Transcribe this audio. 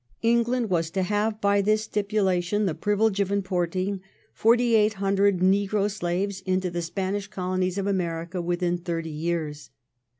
England was to have by this stipulation the privilege of importing 4,800 negro slaves into the Spanish colonies of America within thirty years.